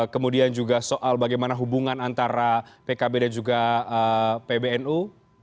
kemudian juga soal bagaimana hubungan antara pkb dan juga pbnu